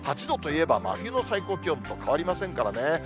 ８度といえば真冬の最高気温と変わりませんからね。